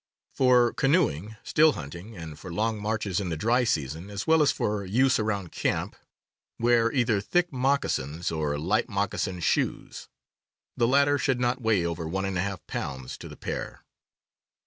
For canoeing, still hunting, and for long marches in the dry season, as well as for use around camp, wear j^ . either thick moccasins or light mocca sin shoes (the latter should not weigh over one and a half pounds to the pair).